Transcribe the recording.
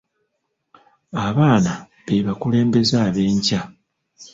Abaana be bakulembeze ab'enkya.